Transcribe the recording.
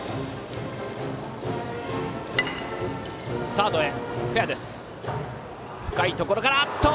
サード、深いところから。